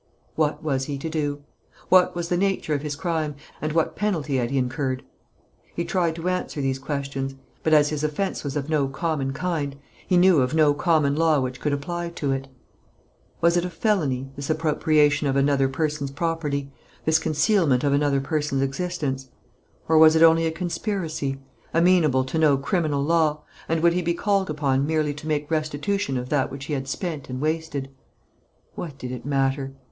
What was he to do? What was the nature of his crime, and what penalty had he incurred? He tried to answer these questions; but as his offence was of no common kind, he knew of no common law which could apply to it. Was it a felony, this appropriation of another person's property, this concealment of another person's existence; or was it only a conspiracy, amenable to no criminal law; and would he be called upon merely to make restitution of that which he had spent and wasted? What did it matter?